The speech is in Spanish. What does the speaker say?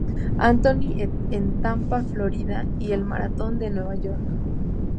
Anthony en Tampa, Florida, y el Maratón de Nueva York.